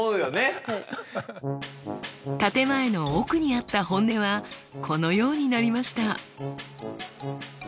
建て前の奥にあった本音はこのようになりました。